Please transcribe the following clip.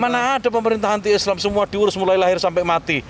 mana ada pemerintah anti islam semua diurus mulai lahir sampai mati